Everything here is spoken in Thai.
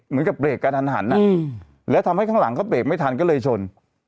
เหมือนกับเบรกกระทันหันแล้วทำให้ข้างหลังก็เบรกไม่ทันก็เลยชน